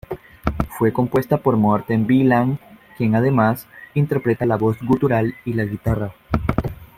Fue compuesta por Morten Veland, quien además interpreta la voz gutural y la guitarra.